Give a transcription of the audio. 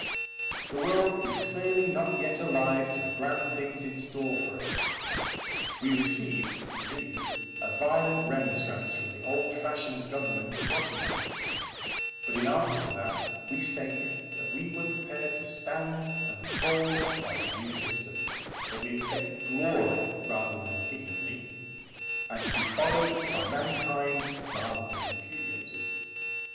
The world was clearly not yet alive to the grand things in store for it. We received, indeed, a violent remonstrance from the old fashioned Government at Washington; but in answer to that we stated that we were prepared to stand and fall by the new system that we expected glory rather than ignominy, and to be followed by mankind rather than repudiated.